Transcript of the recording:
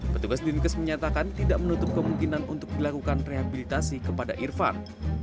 petugas dinkes menyatakan tidak menutup kemungkinan untuk dilakukan rehabilitasi kepada irfan